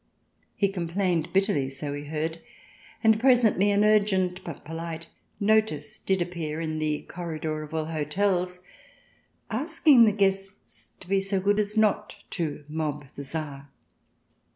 He complained bitterly, so we heard, and presently an urgent but polite notice did appear in the corridor of all hotels, asking the guests to be so good as not to mob the Tsar.